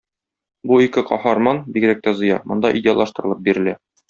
Бу ике каһарман, бигрәк тә Зыя, монда идеаллаштырылып бирелә.